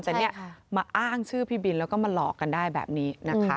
แต่เนี่ยมาอ้างชื่อพี่บินแล้วก็มาหลอกกันได้แบบนี้นะคะ